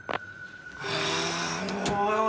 あおい！